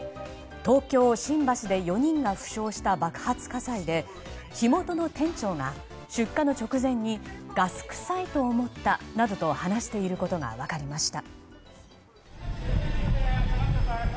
東京・新橋で４人が負傷した爆発火災で、火元の店長が出火の直前にガス臭いと思ったなどと話していることが分かりました。